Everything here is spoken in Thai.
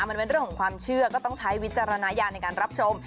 มันเป็นเรื่องของความเชื่อก็ต้องใช้วิจารณญาณในการรับชม